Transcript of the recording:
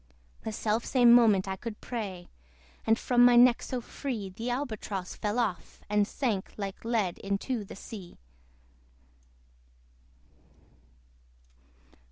The self same moment I could pray; And from my neck so free The Albatross fell off, and sank Like lead into the sea.